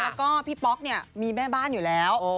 แล้วก็พี่ป๊อกเนี่ยมีแม่บ้านอยู่แล้ว